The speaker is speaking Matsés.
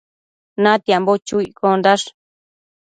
Natiambo chu iccondash